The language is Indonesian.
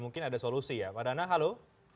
mungkin ada solusi ya pak dana halo